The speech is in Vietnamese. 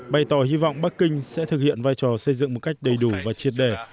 bày tỏ hy vọng bắc kinh sẽ thực hiện vai trò xây dựng một cách đầy đủ và triệt đề